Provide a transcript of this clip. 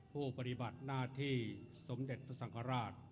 ปฏิบัติหน้าที่สมเด็จพระสังฆราช